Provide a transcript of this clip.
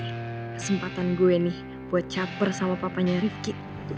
kesempatan gue nih buat caper sama papanya rifqi